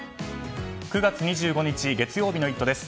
９月２５日、月曜日の「イット！」です。